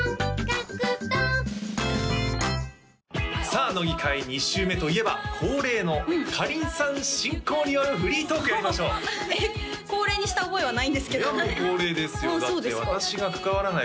さあ乃木回２週目といえば恒例のかりんさん進行によるフリートークやりましょうえっ恒例にした覚えはないんですけどいやもう恒例ですよだって私が関わらない